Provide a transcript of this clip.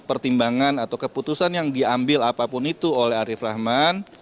jadi pertimbangan atau keputusan yang diambil apapun itu oleh arief rahman